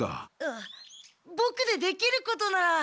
あっボクでできることなら！